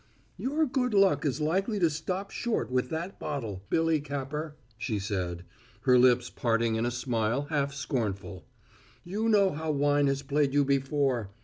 "Your good luck is likely to stop short with that bottle, Billy Capper," she said, her lips parting in a smile half scornful. "You know how wine has played you before.